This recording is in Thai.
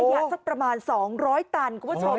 สักประมาณ๒๐๐ตันคุณผู้ชม